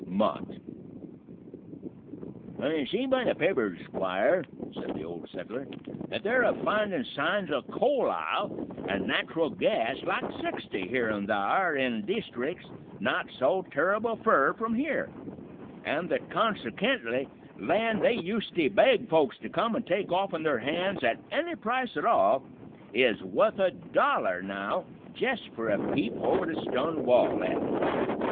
MOTT "I see by the papers, Squire," said the Old Settler, "that they're a finding signs o' coal ile an' nat'ral gas like sixty here an' thar in deestric's not so terrible fur from here, an' th't konsekently land they usety beg folks to come an' take offen their hands at any price at all is wuth a dollar now, jist for a peep over the stun wall at it.